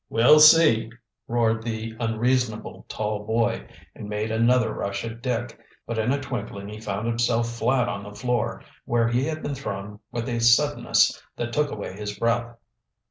"We'll see!" roared the unreasonable tall boy, and made another rush at Dick. But in a twinkling he found himself flat on the floor, where he had been thrown with a suddenness that took away his breath.